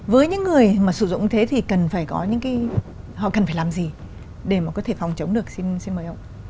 với những người mà xử dụng thế thì họ cần phải làm gì để mà họ có thể phòng chống được xin mời ông